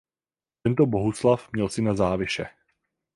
Tento Bohuslav měl syna Záviše.